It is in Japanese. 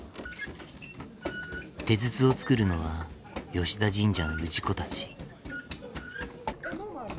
手筒を作るのは吉田神社の氏子たち。